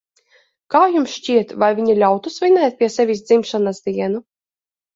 Kā jums šķiet, vai viņa ļautu svinēt pie sevis dzimšanas dienu?